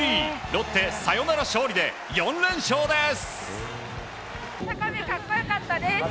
ロッテ、サヨナラ勝利で４連勝です。